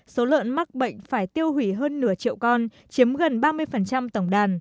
số lợn mắc bệnh phải tiêu hủy hơn nửa triệu con chiếm gần ba mươi tổng đàn